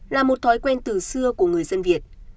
là một thói quen từ xưa của người dân việt